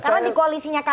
sudah jelas tidak ada